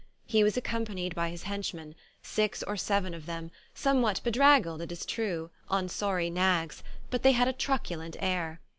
He was accompanied by his henchmen, six or seven of them, somewhat bedraggled it is true, on sorry nags, but they had a truculent air.